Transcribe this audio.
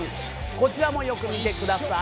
こちらもよく見てください。